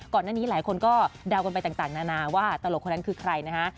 ก่อนหน้านี้หลายคนก็เดากันไปต่างนานาว่าตลกคนนั้นคือใครนะฮะ